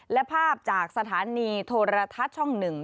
และภาพจากสถานีโทรทัศน์ช่อง๑